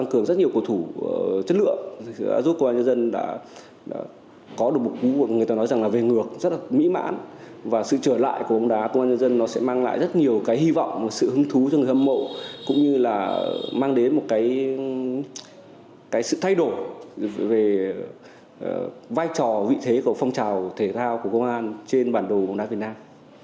công an nhân dân đã có được một cú của người ta nói rằng là về ngược rất là mỹ mãn và sự trở lại của bóng đá công an nhân dân nó sẽ mang lại rất nhiều cái hy vọng và sự hứng thú cho người hâm mộ cũng như là mang đến một cái sự thay đổi về vai trò vị thế của phong trào thể thao của công an trên bản đồ bóng đá việt nam